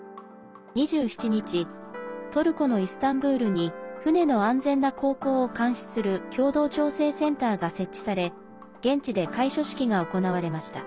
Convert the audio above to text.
２７日、トルコのイスタンブールに船の安全な航行を監視する共同調整センターが設置され現地で開所式が行われました。